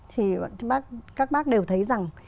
thì các bác đều thấy rằng